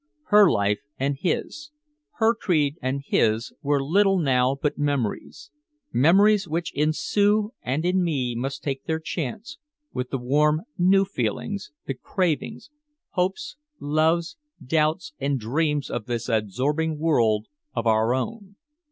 Her life and his, her creed and his, were little now but memories memories which in Sue and in me must take their chance with the warm, new feelings, the cravings, hopes, loves, doubts and dreams of this absorbing world of our own.